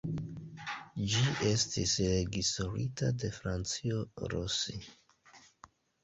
Ĝi estis reĝisorita de Franco Rossi.